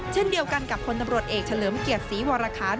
เช่นเดียวกันกับคนตำรวจเอกเฉลิมเกียรติศรีวรคาร